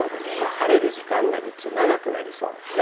晴れる時間が日中、長くなりそうですね。